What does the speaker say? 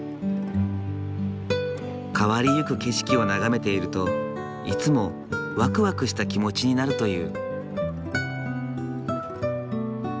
変わりゆく景色を眺めているといつもワクワクした気持ちになるという。